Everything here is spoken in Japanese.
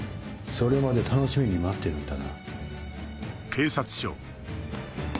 それまで楽しみに待ってるんだな。